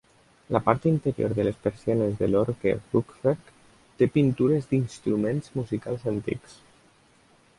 La part interior de les persianes de l'orgue "rugwerk" té pintures d'instruments musicals antics.